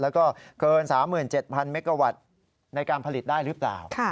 แล้วก็เกิน๓๗๐๐เมกาวัตต์ในการผลิตได้หรือเปล่า